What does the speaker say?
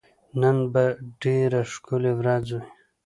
نن به ډېره ښکلی ورځ وي